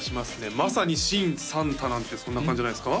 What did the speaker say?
まさにシン・サンタなんてそんな感じじゃないですか？